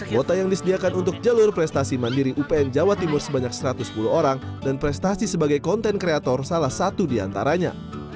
kuota yang disediakan untuk jalur prestasi mandiri upn jawa timur sebanyak satu ratus sepuluh orang dan prestasi sebagai konten kreator salah satu diantaranya